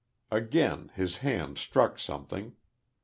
Again his hand struck something.